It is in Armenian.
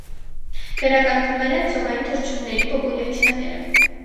Վերականգնվել են ծովային թռչունների պոպուլյացիաները։